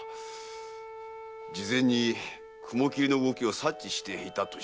事前に雲切の動きを察知していたとしか。